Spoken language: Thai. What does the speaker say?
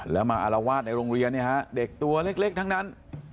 แล้วมาอารวาสในโรงเรียนเนี่ยฮะเด็กตัวเล็กทั้งนั้น